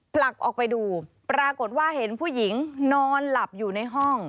ผลักออกไปดูปรากฏว่าเห็นผู้หญิงนอนหลับอยู่ในห้อง